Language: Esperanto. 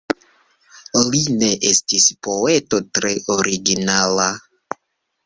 Li ne estis poeto tre originala.